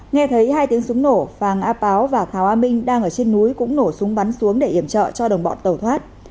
nghe thấy hai tiếng súng nổ phàng á páo và thảo a minh đang ở trên núi cũng nổ súng bắn xuống để iểm trợ cho đồng bọn tàu thoát